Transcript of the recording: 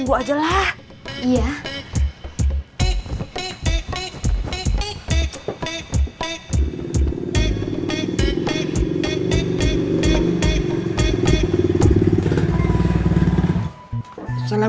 kalau mau jalan jalan saja